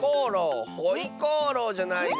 「ホイコーロー」じゃないの？